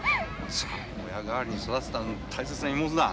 親代わりで育てた大切な妹だ。